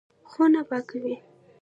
خونه پاکوي.